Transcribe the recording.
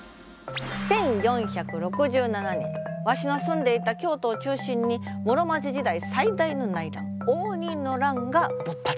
１４６７年わしの住んでいた京都を中心に室町時代最大の内乱応仁の乱が勃発。